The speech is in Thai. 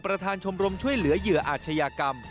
ชมรมช่วยเหลือเหยื่ออาชญากรรม